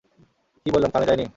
কি বললাম কানে যায়নি?